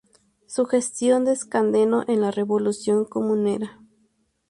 Su gestión desencadenó en la Revolución Comunera.